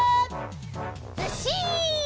ずっしん！